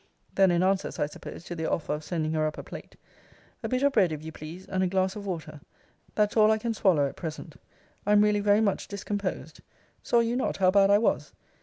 Then, in answer, as I suppose, to their offer of sending her up a plate 'A bit of bread, if you please, and a glass of water; that's all I can swallow at present. I am really very much discomposed. Saw you not how bad I was?